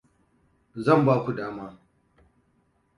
Zan baku dama.